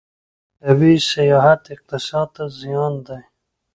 طبي سیاحت اقتصاد ته زیان دی.